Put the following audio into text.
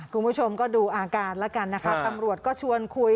คุณผู้ชมก็ดูอาการแล้วกันนะคะตำรวจก็ชวนคุย